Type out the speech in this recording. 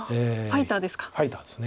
ファイターです。